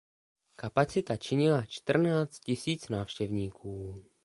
Kapacita činila čtrnáct tisíc návštěvníků.